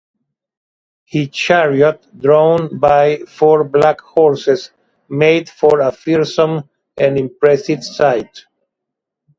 His chariot, drawn by four black horses, made for a fearsome and impressive sight.